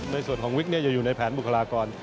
ในส่วนของวิกจะอยู่ในแผนบุคลากร